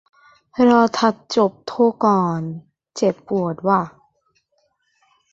รอทัดจบโทก่อน เจ็บปวดว่ะ